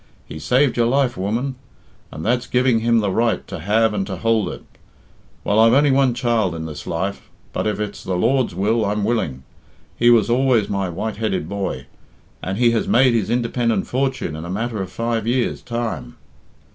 He saved your life, woman, and that's giving him the right to have and to hould it. Well, I've only one child in this life, but, if it's the Lord's will, I'm willing. He was always my white headed boy, and he has made his independent fortune in a matter of five years' time."